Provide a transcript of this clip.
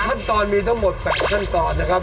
ขั้นตอนมีทั้งหมด๘ขั้นตอนนะครับ